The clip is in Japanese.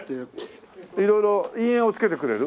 色々陰影を付けてくれる？